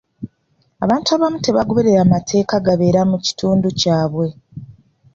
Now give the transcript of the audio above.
Abantu abamu tebagoberera mateeka gabeera mu kitundu ky'ewaabwe.